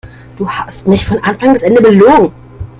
Du hast mich von Anfang bis Ende belogen.